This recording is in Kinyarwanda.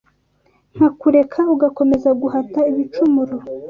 Nkakureka ugakomeza Guhata ibicumuro